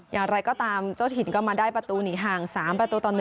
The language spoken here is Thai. อย่างไรก็ตามเจ้าถิ่นก็มาได้ประตูหนีห่าง๓ประตูต่อ๑